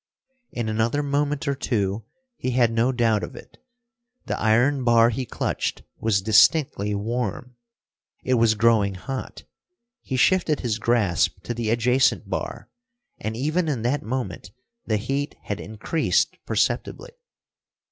In another moment or two he had no doubt of it. The iron bar he clutched was distinctly warm; it was growing hot. He shifted his grasp to the adjacent bar and even in that moment the heat had increased perceptibly.